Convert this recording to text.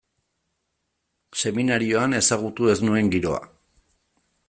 Seminarioan ezagutu ez nuen giroa.